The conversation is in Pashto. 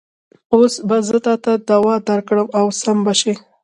اوس به زه تاته دوا درکړم او سم به شې.